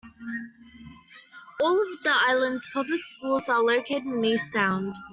All of the island's public schools are located in Eastsound.